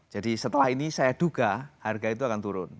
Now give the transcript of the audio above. jadi setelah ini saya duga harga itu akan turun